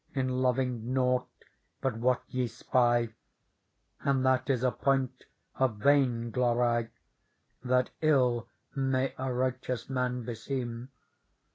In loving nought but what ye spy ; And that is a point of vainglory, That ill may a righteous man beseem.